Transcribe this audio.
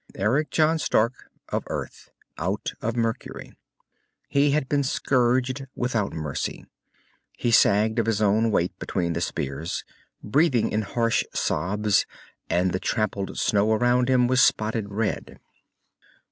Eric John Stark of Earth, out of Mercury. He had already been scourged without mercy. He sagged of his own weight between the spears, breathing in harsh sobs, and the trampled snow around him was spotted red.